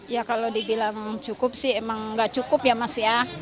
ya kalau dibilang cukup sih emang nggak cukup ya mas ya